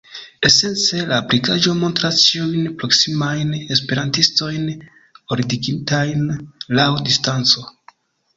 Esence, la aplikaĵo montras ĉiujn proksimajn esperantistojn ordigitajn laŭ distanco.